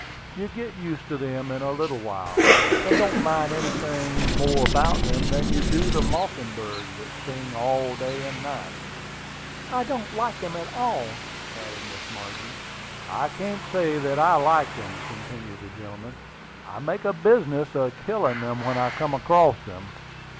You get used to them in a little while, and don't mind anything more about them than you do the mocking birds that sing day and night." "I don't like them at all," added Miss Margie. "I can't say that I like them," continued the gentleman. "I make a business of killing them when I come across them.